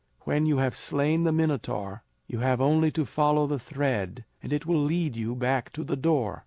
When you have slain the Minotaur, you have only to follow the thread and it will lead you back to the door.